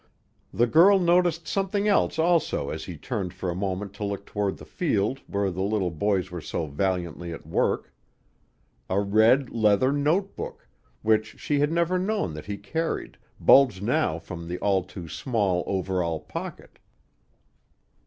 The girl noticed something else also as he turned for a moment to look toward the field where the little boys were so valiantly at work; a red leather note book, which she had never known that he carried, bulged now from the all too small overall pocket.